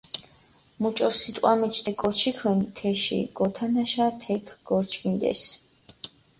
მუჭო სიტყვა მეჩ თე კოჩქჷნ თეში, გოთანაშა თექ გორჩქინდეს.